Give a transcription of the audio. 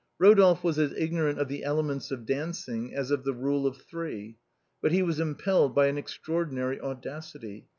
Rodolphe was as ignorant of the elements of dancing as of the rule of three. But he was impelled by an extraor dinary audacity.